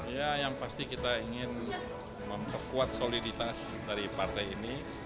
ya yang pasti kita ingin memperkuat soliditas dari partai ini